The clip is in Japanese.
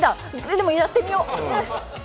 でも、やってみよう。